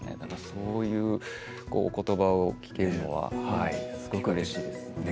そういうお言葉を聞けるのはうれしいです。